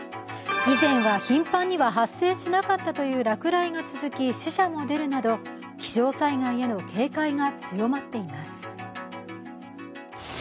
以前は頻繁には発生しなかったという落雷が続き、死者も出るなど気象災害への警戒が強まっています。